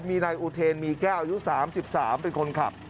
มีนายอุเทนมีแก้วอายุ๓๓เป็นคนขับ